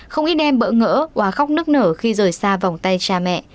không ít em bỡ ngỡ quá khóc nức nở khi rời xa vòng tay cha mẹ